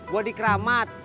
gue di kramat